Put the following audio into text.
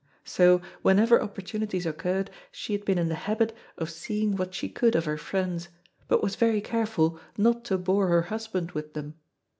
So, whenever opportunities occurred, she had been in the habit of seeing what she could of her friends, but was very careful not to bore her husband with them.